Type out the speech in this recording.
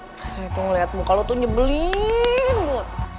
pas itu ngeliatin muka lo tuh nyebelin banget